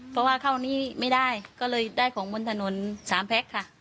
เพราะว่าเข้านี้ไม่ได้ก็เลยได้ของบนถนนสามแพ็คค่ะ